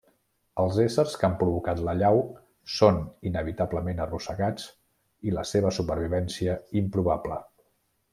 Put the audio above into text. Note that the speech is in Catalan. Els éssers que han provocat l'allau són inevitablement arrossegats i la seva supervivència improbable.